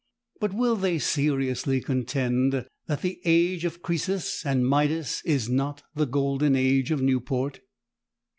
But will they seriously contend that the age of Crœsus and Midas is not the golden age of Newport?